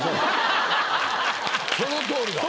そのとおりだ。